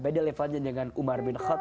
beda levelnya dengan umar bin khat